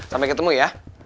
sampai ketemu ya